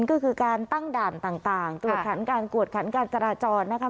ก็คือการตั้งด่านต่างตรวจขันการกวดขันการจราจรนะคะ